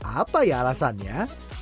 apa ya alasannya